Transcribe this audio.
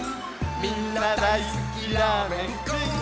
「みんなだいすきラーメンくん」